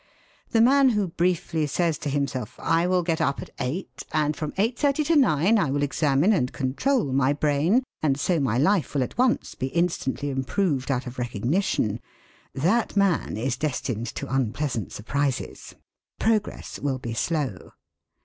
The man who briefly says to himself: 'I will get up at 8, and from 8.30 to 9 I will examine and control my brain, and so my life will at once be instantly improved out of recognition' that man is destined to unpleasant surprises. Progress will be slow.